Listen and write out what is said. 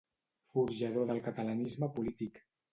Forjador del catalanisme polític.